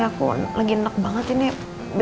aku lagi enak banget ini